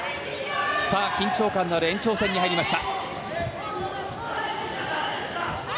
緊張感のある延長戦に入りました。